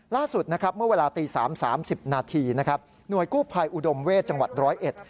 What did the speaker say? ล่าสุดเมื่อเวลา๓๓๐นหน่วยกู้ภัยอุดมเวชจังหวัดร้อยเอ็ด